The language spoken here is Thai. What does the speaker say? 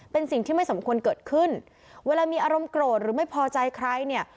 เป็นสิ่งที่ไม่สมควรเกิดขึ้นเวลามีอารมณ์โกรธหรือไม่พอใจใครเนี่ย